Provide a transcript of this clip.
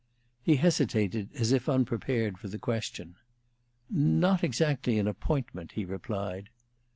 He hesitated, as if unprepared for the question. "Not exactly an appointment," he replied.